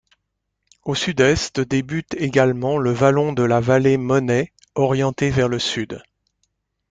Au sud-est débute également le vallon de la vallée Monnet, orienté vers le sud.